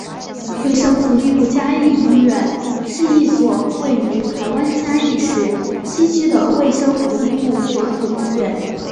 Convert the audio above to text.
卫生福利部嘉义医院是一所位于台湾嘉义市西区的卫生福利部所属医院。